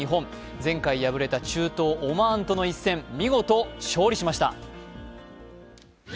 前回敗れた中東オマーンとの一戦、見事、勝利しました。